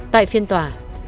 tại phiên tòa